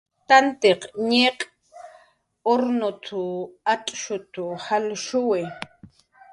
"T'antiq ñiq urnut"" ach'shut"" jalshuwi"